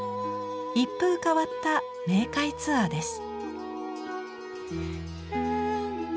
一風変わった冥界ツアーです。